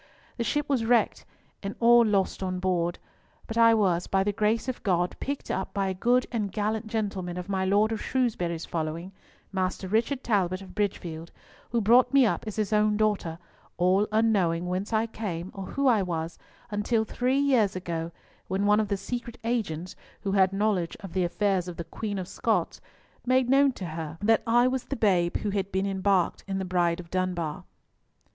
The ship was wrecked, and all lost on board, but I was, by the grace of God, picked up by a good and gallant gentleman of my Lord of Shrewsbury's following, Master Richard Talbot of Bridgefield, who brought me up as his own daughter, all unknowing whence I came or who I was, until three years ago, when one of the secret agents who had knowledge of the affairs of the Queen of Scots made known to her that I was the babe who had been embarked in the Bride of Dunbar."